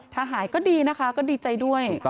ถ้าหายก็ดีนะคะก็ดีใจด้วย